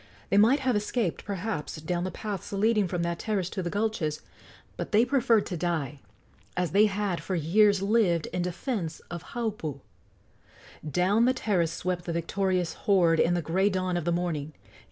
They might have escaped, perhaps, down the paths leading from that terrace to the gulches; but they preferred to die, as they had for years lived, in defence of Haupu. Down the terrace swept the victorious horde in the gray dawn of the morning.